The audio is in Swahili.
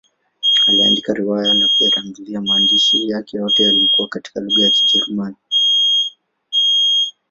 Aliandika riwaya na pia tamthiliya; maandishi yake yote yalikuwa katika lugha ya Kijerumani.